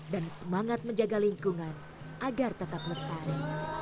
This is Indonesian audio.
dan semangat menjaga lingkungan agar tetap lestari